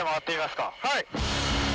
はい。